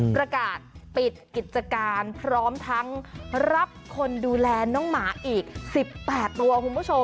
ประกาศปิดกิจการพร้อมทั้งรับคนดูแลน้องหมาอีก๑๘ตัวคุณผู้ชม